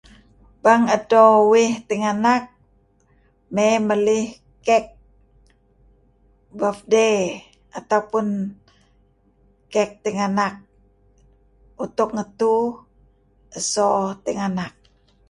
Bang edto uih tinganak mey belih kek befdey ataupun kek tinganak untuk ngetu so tinganak.